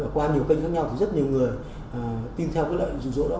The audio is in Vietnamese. qua nhiều kênh khác nhau thì rất nhiều người tin theo cái lợi dụ dỗ đó